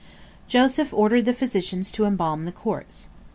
Joseph ordered the physicians to embalm the corpse.